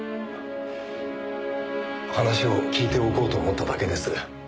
話を聞いておこうと思っただけです。